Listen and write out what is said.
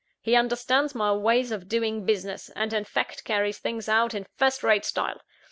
He understands my ways of doing business; and, in fact, carries things out in first rate style.